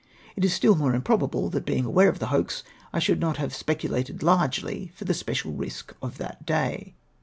It is still more improbable, that being aware of the hoax, I shoidd not have speculated largely for the special risk of that day.